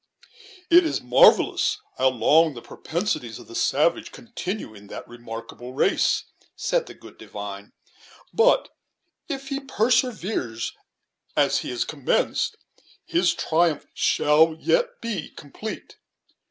"It is marvellous how long the propensities of the savage continue in that remarkable race," said the good divine; "but if he perseveres as he has commenced, his triumph shall yet be complete.